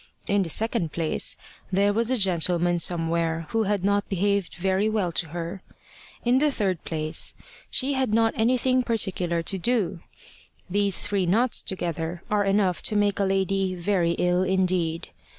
In the second place, there was a gentleman somewhere who had not behaved very well to her. In the third place, she had not anything particular to do. These three nots together are enough to make a lady very ill indeed.